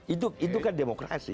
itu itu kan demokrasi